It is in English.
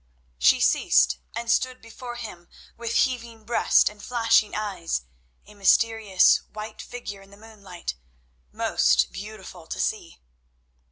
She ceased and stood before him with heaving breast and flashing eyes, a mysterious white figure in the moonlight, most beautiful to see.